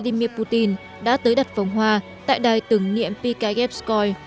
tổng thống nga vladimir putin đã tới đặt phóng hoa tại đài tưởng niệm pykaevskoi